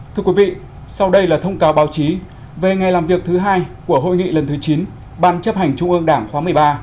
thưa quý vị sau đây là thông cáo báo chí về ngày làm việc thứ hai của hội nghị lần thứ chín ban chấp hành trung ương đảng khóa một mươi ba